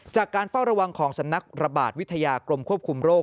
จากการเฝ้าระวังของสำนักระบาดวิทยากรมควบคุมโรค